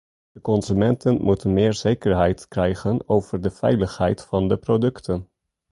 De consumenten moeten meer zekerheid krijgen over de veiligheid van de producten.